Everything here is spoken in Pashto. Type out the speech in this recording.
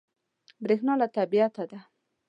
برېښنا له طبیعت ده.